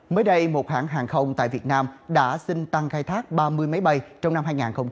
mới đây một hãng hàng không tại việt nam đã xin tăng khai thác ba mươi máy bay trong năm hai nghìn hai mươi